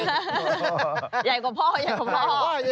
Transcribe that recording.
ย่ายกว่าพ่อย่ายกว่าพ่อ